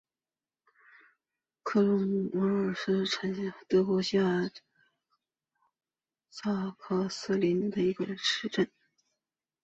克鲁姆赫尔恩是德国下萨克森州的一个市镇。